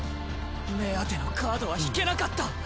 目当てのカードは引けなかった。